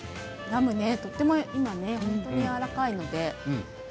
ラムも本当にやわらかいので。